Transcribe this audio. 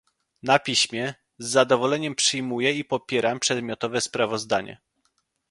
na piśmie - Z zadowoleniem przyjmuję i popieram przedmiotowe sprawozdanie